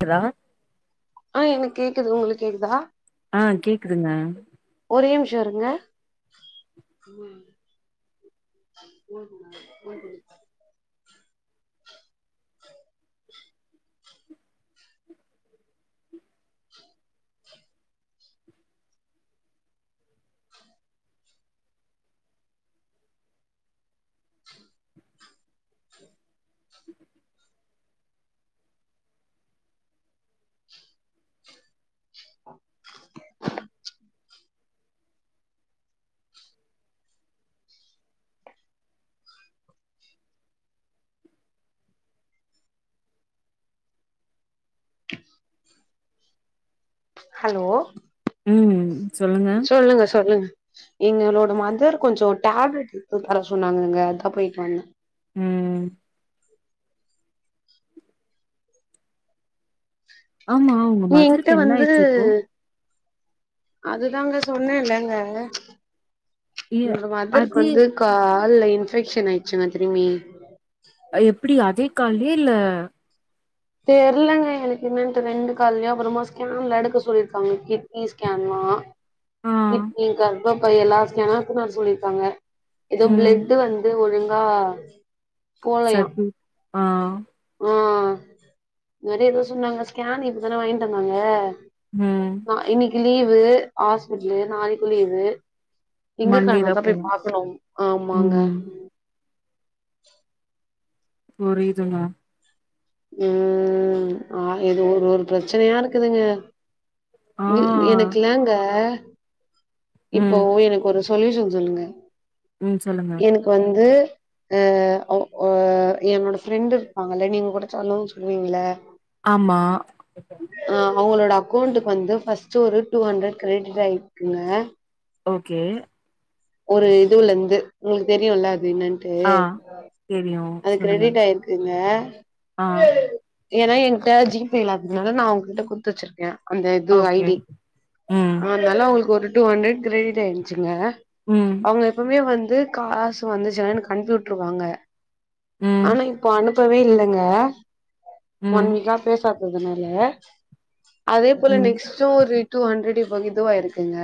கிதா ஆ எனக் கேக்குது உங்களுக் கேக்குதா ஆ கேக்குதுங்க ஒரே நிம்ஷோ இருங்க ம் மோர் குடுங்க மோர் குடு ஹலோ ம் சொல்லுங்க சொல்லுங்க சொல்லுங்க எங்களோட மதர் கொஞ்சோ டேப்லெட் எத்து தர சொன்னாங்கங்க அதா போயிட்டு வந்த ம் ஆமா உங் நீ எங்க்ட்ட வந்து அதுதாங்க சொன்னேலேங்க ஏ எங்க மதருக் அதே வந்து கால்ல இன்ஃபெக்ஷன் ஆய்ச்சுங்க திரும்பி அ எப்படி அதே கால்யா இல்ல தெர்லங்க எனக்கு என்னட்டு ரெண்டு கால்யு அப்புறமா ஸ்கேன்ல எடுக்க சொல்லிருக்காங்க கி ட்னி ஸ்கேன்லா ஆ இப் நீங் கர்ப்பப்பை எல்லா ஸ்கேனு எத்துன் வர சொல்லிருக்காங்க எதோ ம் பிளட் வந்து ஒழுங்கா போலையா சட் உ ஆ ஆ மரி ஏதோ சொன்னாங்க ஸ்கேன் இப்பதானே வாங்கிட்டு வந்தாங்க ம் ஆ இன்னிக்கு லீவு ஹாஸ்பிடலு நாளைக்கு லீவு மண்டேதா எங்கக்காணோதா போய் போவு பாக்கணு ஆமாங்க ம் புரிதுமா உம் ஆ எது ஒரு ஒரு பிரச்சனையா இருக்குதுங்க ஆ இது யெனக்குல்லாங்க இப்போ ம் எனகோரு சொல்யூஷன் சொல்லுங்க ம் சொல்லுங்க வந்து அ ஒ ஓ என்னோட ஃப்ரெண்டுருப்பாங்கல்ல நீங்க கூட சொல்லனு சொல்லுவீங்கள ஆமா அ அவங்களோட அக்கௌண்ட்டுக்கு வந்து ஃபர்ஸ்ட்டு ஒரு டூ ஹண்ட்ரட் க்ரெடிட் ஆயிருக்குங்க ஓகே ஒரு இதுவுலந்து உங்களுக்கு தெரியுல அது என்னான் டு ஆ தெரியு அது சொல்லுங்க கிரெடிட் ஆயிருக்குங்க ஆ ஏனா என்கிட்ட ஜிபே இல்லாததுனால நா அவுங்கிட்ட குடுத்து வச்சிருக்க அந்த இது ஓகே ஐடி ம் ஆனால உங்களுக்கு ஒரு டூ ஹண்ட்ரட் கிரெடிட் ஆயிருச்சுங்க உம் அவங்க எப்பவுமே வந்து காசு வந்துச்சனா எனக்கனுப்பி விட்ருவாங்க ம் ஆனா இப்ப அனுப் பவே இல்லங்க ஒன் ம் வீக்கா பேசாததுனால அதே போல ம் நெக்ஸ்ட்டு ஒரு டூஹண்ட்ரட் இப்போ இதுவாயிருக்குங்க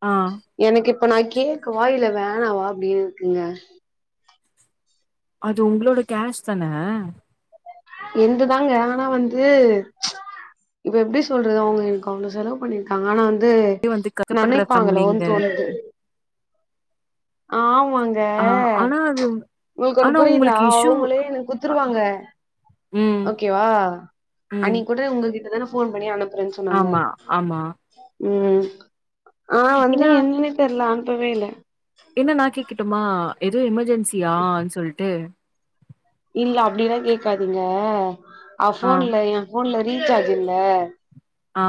அ எனக்கு இப்ப நா கேக்கவா இல்ல வேணாவா அப்டின்னு இருக்குங்க அது உங்களோட கேஷ் தனே எந்து தாங்க ஆனா வந்து இப்ப எப்டி சொல்றது அவுங்க எனக்கு அவ்ளோ செலவு பண்ணிருக் பாங்க ஆனா வந்து வந்து கஷ்டப்படுற ஃபேமிலிங்க நெனைப்பாங்களோன்னு தோணுது ஆமாங் ஆ ஆனா அது உங்களுக்கு ஒன்னு ஆனா புரியுதா உங்களுக்கு இஷ்யூ அவங்களே எனக் அ குத்துருவாங்க ம் ஓகேவா ம் அன்னிக்கூட உங்ககிட்ட தானே போன் பண்ணி அனுப் புறன்னு சொன்னாங்க ஆமா, ஆமா. ம் அ வந்து ஏன்னா என்னனே தெரியல அனுப்பவே இல்ல என்ன நா கேக்கட்டுமா எதுவு எமெர்ஜென்சியானு சொல்லிட்டு இல்ல அப்டியெல்லா கேட்காதீங்க ஆ அவ்போன்ல ஏ போன்ல ரீசார்ஜ்யில்ல ஆ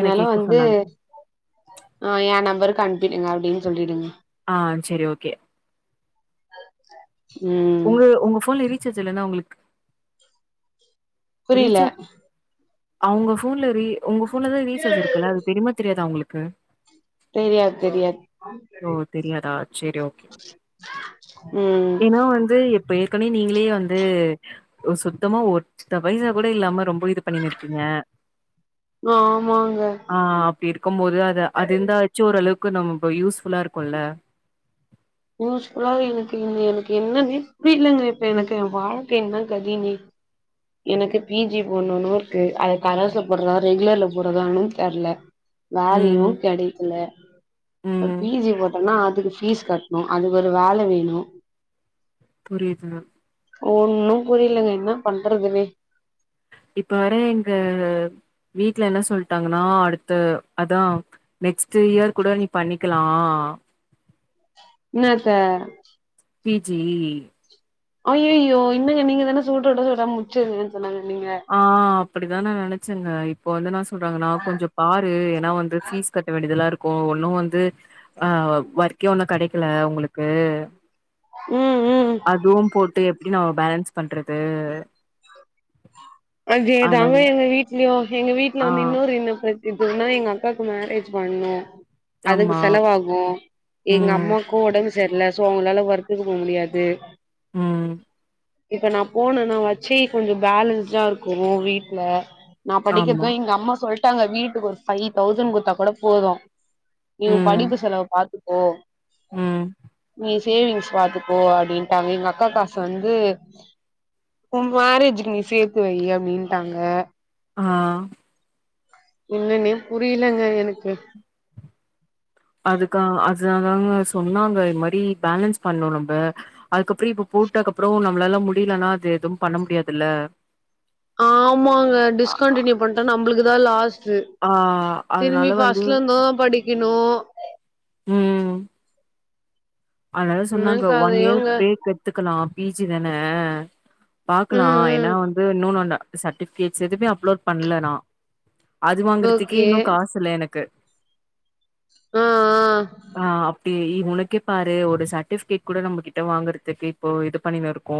என்ன கேட்க வந்து சொன்னாங்க. அ என் நம்பருக்கு அனுப்பிடுங்க அப்டின்னு சொல்லிடுங்க ஆ செரி ஓகே ம் உங்க உங்க ஃபோன்ல ரீசார்ஜ் இல்லன்னா உங்களுக் புரியல ரீசார்ஜ் அவுங்க ஃபோன்ல ரீ உங்க ஃபோ ஃபோன்ல தான் ரீசார்ஜ் இருக்குல்ல அது தெரியுமா தெரியாதா உங்களுக்கு தெரியாது தெரியாது ஓ தெரியாதா சரி ஓகே ம் ஏனா வந்து எப் இப்ப ஏற்கனவே நீங்களே வந்து சுத்தமா ஒத்த பைசா கூட இல்லாம ரொம்ப இது பண்ணிணுருக்கீங்க ஆமாங்க ஆ இப்டி இருக்கு போது அது அது இருந்தாச்சு ஓரு அளவுக்கு நம்ப யூஸ்ஃபுல்லா இருக்கும்ல்ல யூஸ்ஃபுல்லா இருக்கு இங்க எனக்கு என்னென்னே புரியலங்க இப்ப எனக்கு இப்ப எனக்கு என் வாழ்க்க என்ன கதினே எனக்கு பி ஜி போடணுன்னு இருக்கு அத கரஸ்ல போடுறதா ரெகுலர்ல போறதான்னு தெரியல வேலையு ம் கெடைக்கல இப்ப ம் பி ஜி போட்டோம்னா அதுக்கு பீஸ் கட்ட அதுக்கு ஒரு வேல வேணு புரியுது ஒன்ணு புரியலங்க என்ன பண்றதுனே இப்ப வேற எங்க வீட்ல என்ன சொல்ட்டாங்கன்னா அடுத்த அதா நெக்ஸ்டு இயர் கூட நீ பண்ணிக்கலாம் இன்னாத்த பி ஜி அய்யய்யோ என்னங்க நீங்க தானே சூட்டோட சூடா முச்சுருங்கன்னு சொன்னாங்கன் நீங்க ஆ அப்டிதா நா நெனச்சேங்க இப்ப வந்து நா சொல்றாங்கன்னா கொஞ்ச பாரு ஏனா வந்து பீஸ் கட்ட வேண்டியதெல்லா இருக் கும் ஒன்னு வந்து ஆ ஓர்க்கே ஒன்னு கடைக்கல உங்களுக்கு ம் ம் அதுவு போட்டு எப்டி நம்ப பேலன்ஸ் பண்றது அதே தாங்க அதனால எங்க வீட்லயு எங்க வீட்ல ஆ வந்து இன்னொரு என்ன பிர இப்போன்னா எங்க அக்காக்கு மேரேஜ் பண்ணு அதுக்கு ஆமா செலவாகு எங்க ம் அம்மாக்கு உடம்பு செர்ல சோ அவுங்களால ஒர்க்குக்கு போ முடியாது உம் இப்ப நா போனன்னா வாச்சி கொஞ்ச பேலன்ஸ்டா இருக்கு வீட்ல நா ஆமா படிக்கதா எங்க அம்மா சொல்ட்டாங்க வீட்டுக்கு ஒரு ஃபை தௌசண் குத்தா கூட போதும் நீ உன் ம் படிப்பு செலவ பாத்துப்கோ ம் நீ சேவிங்ஸ் பாத்துக்கோ அப்டின்ட்டாங்க எங்க அக்கா காசு வந்து உன் மேரேஜூக்கு நீ சேத்து வை அப்டின்ட்டாங்க ஆ என்னன்னே புரியலங்க எனக்கு அதுக்கா அது அதாங்க சொன்னாங்க இந்த மாரி பேலன்ஸ் பண்னும் நம்ப அதுக்கப்புறம் இப்ப போட்டக்கப்புறம் நம்பளால முடியலன்னா அது எதுவும் பண்ண முடியாது இல்ல ஆமாங்க டிஸ்கண்டிநியூ பண்டா நம்ளுக்கு தா லாஸ் து ஆ அதனால திரும்பி வந்து ஃபஸ்ட்லந்து தா படிக்கணு ம் அதனால என்ன சொன்னாங்க ஒன் இயர் கதையோங்க பிரேக் எடுத்துக்கலாம் பி ஜி தானே பாக்கலா ம் ஏன்னா ம் வந்து இன்னொன் ஒன்ன சர்டிபிகேட்ஸ் எதுமே அப்லோட் பண்ல நா அது வாங்குறதுக்கே ஓகே இன்னு காசு இல்ல எனக்கு ஆ ஆ ஆ அப்டி உனக்கே பாரு ஒரு சர்டிபிகேட் கூட நம்ம கிட்ட வாங்கறதுக்கு இப்போ இது பண்ணினு இருக்கோ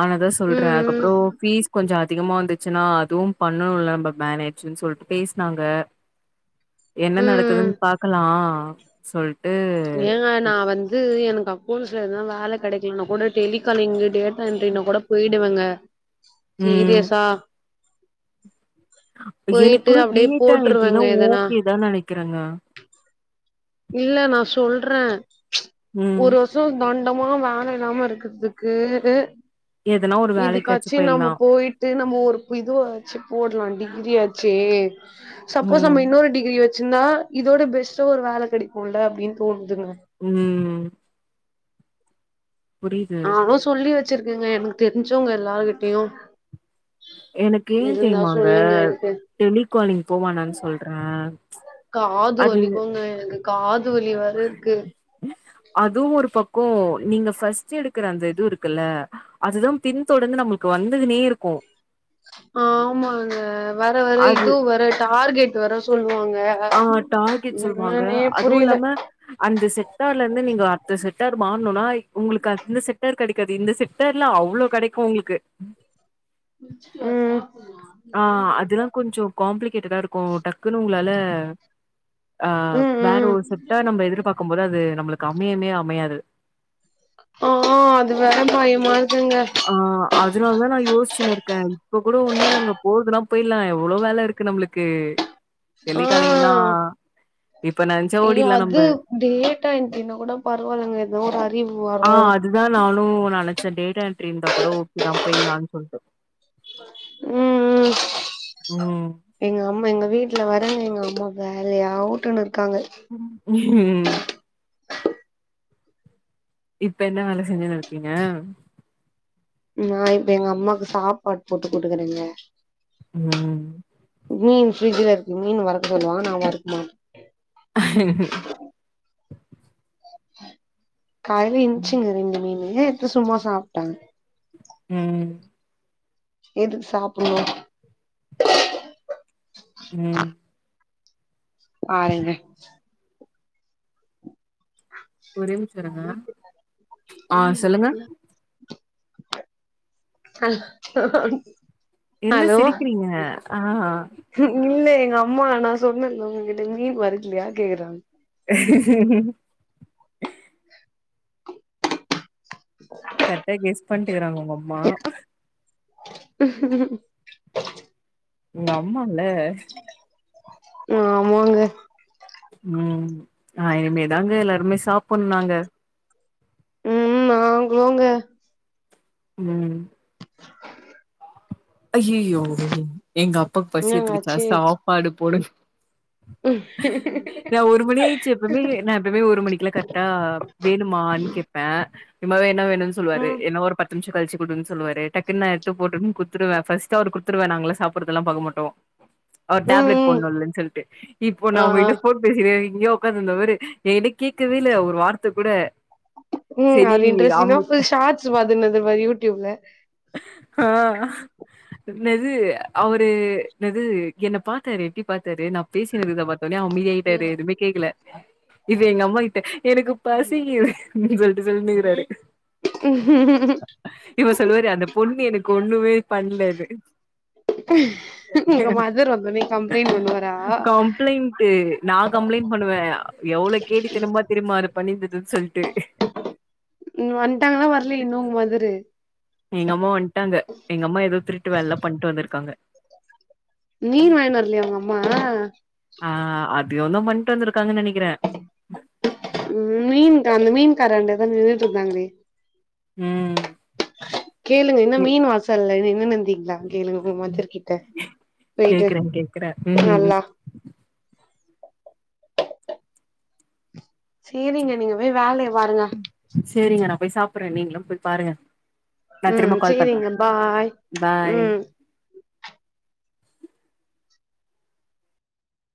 ஆனால தா சொல்றேன் ம் அதுக்கப்ரோ ம் ஃபீஸ் கொஞ்ச அதிகமா வந்து ச்சுனா அதுவு பண்ணனும் இல்ல நம்ப மேனேஜூன்னு சொல்ட்டு பேசினாங்க என்ன ம் நடக்குதுன்னு பாக்கலா சொல்ட்டு நா வந்து எனக்கு அவ் போலீஸ்ல எதனா வேல கடைக்கலன்னா கூட டெலி காலிங்கு டேட்டா என்டரினு கூட போயிடுவேங்க ம். சீரியஸா போயிட்டு எனக்கூட அப்டியே டேட்டா என்ட்ரினா போட்ருவேங்க எதனா ஓகே தா நெனைக்கறேங்க இல்ல நா சொல்றேன் ம். ஒர் ஓர் சு தண்டமா வேல இல்லாம இருக்கறதுக்கு எதனா ஒரு வேலைக்காச்சும் இதுக்காச்சி நம்ம போயிடலாம். போயி ட்டு நம்ம ஒரு இது வாச்சி போட்லா டிகிரி ஆச்சே சப்போஸ் ம். நம்ம இன்னொரு டிகிரி வச் வச்சின்தா இதோட பெஸ்ட்டா ஒரு வேல கடிக்குல்ல அப்டின்னு தோணுதுங்க ம் புரிது நானு சொல்லி வச்சுருக்கேங்க எனக்கு தெரிஞ்சவங்க எல்லார் கிட்டயும் எனக்கு ஏ தெரியுமாங்க சொல்லுங்கன்ட்டு டெலி காலிங் போவேனான்னு சொல்றே காது வலிக்குங்க எனக்கு காது வலி வேற இருக்கு அதுவு ஒர் பக்கோ நீங்க ஃபர்ஸ்ட் எடுக்குற அந்த இது இருக்குல்ல அதுதா பின் தொடர்ந்து நம்புளுக்கு வந்துக்குனே இருக்கோ ஆமாங்க வர வர அது இதுவு வர டார்கெட் வர சொல்வாங்க ஆ டார்கெட் சொல்வாங்க அதுவு புரியல இல்லாம அந்த செக்டார்லர்ந்து நீங்க அடுத்த செக்டார் மாற்னோனா உங்குளுக்கு அந்த செக்டார் கிடைக்காது இந்த செ க்டார்ல அவ்ளோ கெடைக்கோ உங்குளுக்கு ம் ஆ அதெல்லா கொஞ்சோ காம்ப்ளிகேட்டடா இருக்கோ டக்குன்னு உங்களால ஆ ம் வேற ம் ஒரு செக்டார் நம்ம எதிர்பாக்கும் போது அது நம்புளுக்கு அமையவே அமையாது ஆ அது வேற பயமா இருக்குங்க ஆ அதனால தா நா யோசிச்சினு இருக்கே இப்ப கூட ஒன்னு இல்லங்க போறதுன்னா போயிர்லா எவ்ளோ வேல இருக்கு நம்புளுக் கு ஆ டெலி காலீங்னா இப்ப நெனைச்சா ஐயோ ஓடிர்லா நம்ப அது டேட்டா என்ட்ரீனா கூட பரவாலங்க எதோ ஒரு அறிவு வர ஆ வரோ அதுதா நானோ நெனச்சே டேட்டா என்ட்ரி இருந்தா கூட ஓகே தா போயிடலான்னு சொல்ட்டு ம் ம் ம் எங்க அம்மா எங்க வீட்ல வ எங்க அம்மா வேலையாவூட்டுனு இருக்காங்க ம் இப்ப என்ன வேல செஞ்சுனு இருக்கீங்க நா இப்ப எங்க அம்மாக்கு சாப்பாடு போட்டு குடுக்குறேங்க ம் மீன் ஃப்ரிஜ்ல இருக்கு மீன் வறக்க சொல்லுவா நா வறுக்குனுமா கால்ல இர்ந்ச்சுங்க ரெண்டு மீனு எத்து சும்மா சாப்ட்டாங்க ம் எதுக்கு சாப்புணோ ம் பாருங்க ஒரே நிமிஷோ இருங்க ஆ சொல்லுங்க அ என்ன சிரிக்கிறீங்க ஆ இல்ல எங்க அம்மா நா சொன்னேல உங்ககிட்ட மீன் வறுக்கலயா கேக்கறாங்க கரெக்டா கெஸ் பண்ட்டுக்குறாங்க உங்க அம்மா உங்க அம்மால்ல ஆமாங்க ம் நா இனிமேதாங்க எல்லாருமே சாப்புட்னோ நாங்க ம் நாங்கலோங்க ம் அய்யியோ எங்க அப்பாக்கு என்னங்க பசியத்துக்குச்சா ஆச்சு சாப்பாடு போடு நா ஒரு மணி ஆச்சு எப்பமே நா எப்பமே ஒரு மணிக்குலா கரெக்டா வேணுமானு கேப்பே சும்மாவே என்ன வேணுனு சொல்லுவரு ம் என்ன ஒரு பத்து நிம்ஷோ கழிச்சு குடுன்னு சொல்லுவாரு டக்குன்னு எடுத்து போட்டுன் குத் துருவே ஃபஸ்ட்டு அவுரு குத்துருவே நாங்கலா சாப்டுறதுல்லா பாக்க மாட்டோ அவர் ம் டேப்லட் ம் போட்ணோலனு சொல்ட்டு இப்போ நா ஆ ஆ உங்கிட்ட ஃபோன் பேசினே இங்கயே ஒக்காந்துருந்த பாரு ஏன்ட கேக்கவே இல்ல ஒரு வார்த்த கூட ம் செரி அவுரு இன்டரஸ்டிங்கா அமு போய் ஷார்ட்ஸ் பாத்துன்னதுப்பாரு யூ டியூப்ல ஆ என்னது அவரு என்னது என்ன பாத்தாரு எப்டி பாத்தாரு நா பேசினது இத பாத் தோன்னே அமைதி ஆயிட்டாரு எதுமே கேக்கல இது எங்க அம்மா கிட்ட எனக்கு பசிக்கு ம் சொல்ட்டு சொல்னிக்கறாரு இந்த பொண்ணு எனக்கு ஒன்னுமே பண்லது உங்க மதர் வந்தோன்னே கம்ப்ளைன் பண்ணுவா கம்ப்ளைண்ட்டு நா கம்ப்ளைண்ட் பண்ணுவே எவ்ளோ கேடி தெரிமா தெரிமா அது பண்ணிர்ந்துதுன் சொல்ட்டு ம் வந்ட்டாங்களா வர்லியா இன்னு உங்க மதரு எங்கம்மா வந்ட்டாங்க எங்கம்மா எதோ திருட்டு வேல்லா பண்ட்டு வந்திருக்காங்க மீன் வாங்கினு வர்லியா உங்கம்மா ஆ அப்டியு தா பண்ட்டு வந்திருக்காங்கன் நெனைக்கிறே ம் மீன் கா அந்த மீன் காரங்ட்ட தா நின்னுட்ருந்தாங்களே ம் கேளுங்க என்ன மீன் வாசல்ல நின்னுனுந்தீங்ளான் கேளுங்க உங்க மாதர்க்கிட்ட போய்ட்டு கேக்குறே கேக்குறே ம் நல்லா சேரிங்க நீங்க போய் வேலைய பாருங்க சேரிங்க நா போய் சாப்பர்றே நீங்களு போய் பாருங்க நா திரும்ப ம் கால் பண்றே சேரிங்க பாய் பாய் ம்